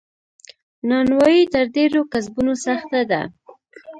نانوایې تر ډیرو کسبونو سخته ده.